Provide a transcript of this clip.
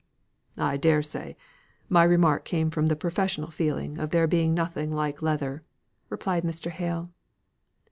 "I dare say, my remark came from the professional feeling of there being nothing like leather," replied Mr. Hale.